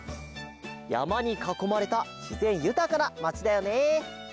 やまにかこまれたしぜんゆたかなまちだよね。